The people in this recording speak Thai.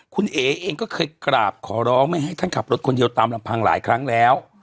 คุณเอ๋เองก็เคยกราบขอร้องไม่ให้ท่านขับรถคนเดียวตามลำพังหลายครั้งแล้ว